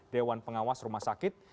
dewan pengawas rumah sakit